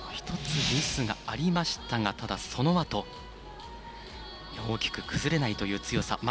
１つ、ミスがありましたがただ、そのあと大きく崩れないという強さ。